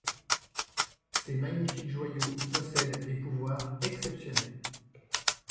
Ces magnifiques joyaux possèdent des pouvoirs exceptionnels.